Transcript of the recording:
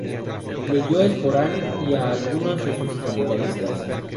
Leyó el Corán y a algunos de sus comentaristas.